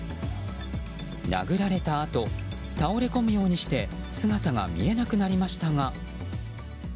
殴られたあと倒れ込むようにして姿が見えなくなりましたが。